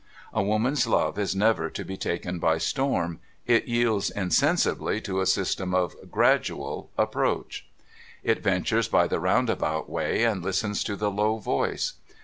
A woman's love is never to be taken by storm ; it yields insensibly to a system of gradual approach. It ventures by the roundabout way, and listens to the low voice.